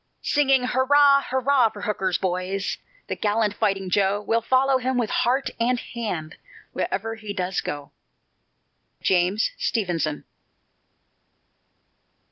Singing, hurrah, hurrah, for Hooker's boys, The gallant Fighting Joe, We'll follow him with heart and hand, Wherever he does go. JAMES STEVENSON.